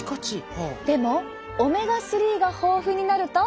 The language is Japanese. でもオメガ３が豊富になると。